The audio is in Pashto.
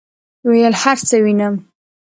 ویل هرڅه وینم،